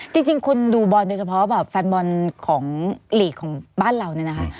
จริงคนดูบอลโดยเฉพาะแบบแฟนบอลของลีกของบ้านเราเนี่ยนะคะ